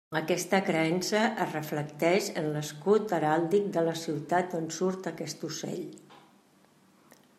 Aquesta creença es reflecteix en l'escut heràldic de la ciutat on surt aquest ocell.